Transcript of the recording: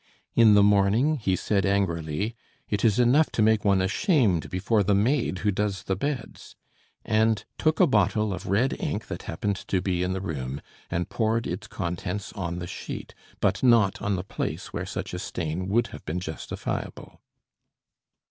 In the morning he said angrily: "It is enough to make one ashamed before the maid who does the beds," and took a bottle of red ink that happened to be in the room, and poured its contents on the sheet, but not on the place where such a stain would have been justifiable.